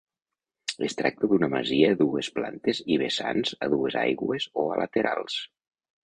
Es tracta d'una masia de dues plantes i vessants a dues aigües o a laterals.